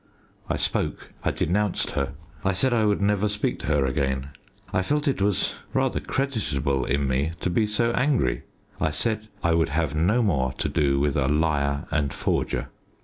I spoke; I denounced her; I said I would never speak to her again. I felt it was rather creditable in me to be so angry. I said I would have no more to do with a liar and forger.